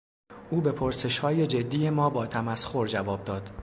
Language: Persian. او به پرسشهای جدی ما با تمسخر جواب داد.